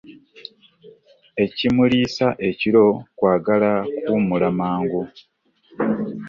Ekimulisa ekiro kwagala kuwummula mangu.